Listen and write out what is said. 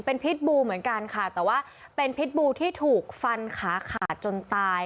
เป็นพิษบูเหมือนกันค่ะแต่ว่าเป็นพิษบูที่ถูกฟันขาขาดจนตาย